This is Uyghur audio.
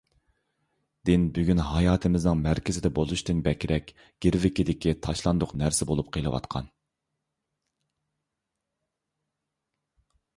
دىن بۈگۈن ھاياتىمىزنىڭ مەركىزىدە بولۇشتىن بەكرەك گىرۋىكىدىكى تاشلاندۇق نەرسە بولۇپ قېلىۋاتقان.